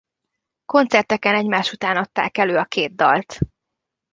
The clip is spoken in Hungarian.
Koncerteken egymás után adták elő a két dalt.